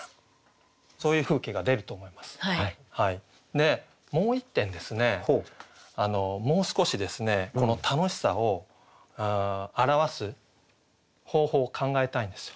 でもう１点ですねもう少しですねこの楽しさを表す方法を考えたいんですよ。